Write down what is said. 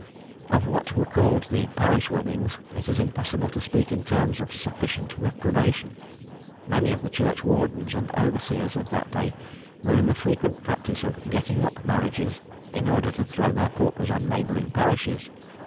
Of what were called the "Parish Weddings" it is impossible to speak in terms of sufficient reprobation. Many of the churchwardens and overseers of that day were in the frequent practice of "getting up" marriages in order to throw their paupers on neighbouring parishes.